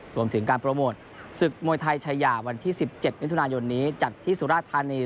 รวมถึงการโปรโมทศึกมวยไทยชายาวันที่๑๗มิถุนายนนี้จัดที่สุราธานี